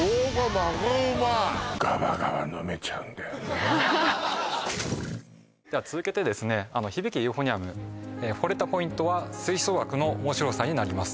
マジうまいでは続けてですねあの「響け！ユーフォニアム」ほれたポイントは吹奏楽の面白さになります